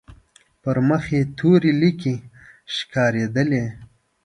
پر مخ يې تورې ليکې ښکارېدلې.